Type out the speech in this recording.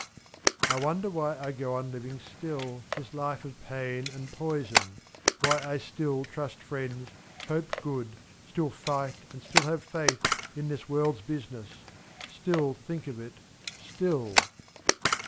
I wonder why I go on living still This life of pain and poison ; why I still / 23 Trust friends, hope good, still fight and still have faith In this world's business — still, think of it, still